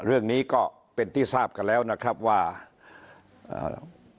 เรื่องนี้ก็เป็นที่ทราบกันแล้วนะครับว่าเอ่อ